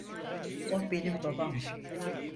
O benim babam.